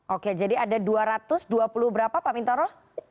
oke jadi ada dua ratus dua puluh berapa pak mintoro